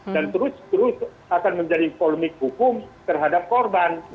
dan terus terus akan menjadi polemik hukum terhadap korban